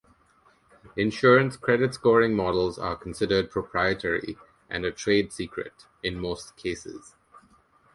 Insurance credit-scoring models are considered proprietary, and a trade secret, in most cases.